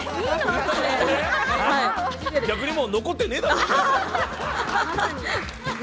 逆にもう残ってねえだろ！